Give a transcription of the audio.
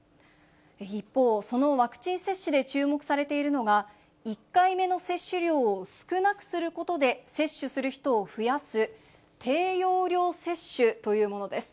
一方、そのワクチン接種で注目されているのが、１回目の接種量を少なくすることで接種する人を増やす低用量接種というものです。